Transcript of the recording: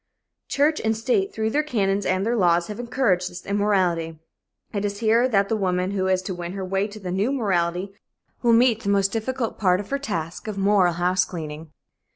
Church and state, through their canons and their laws, have encouraged this immorality. It is here that the woman who is to win her way to the new morality will meet the most difficult part of her task of moral house cleaning.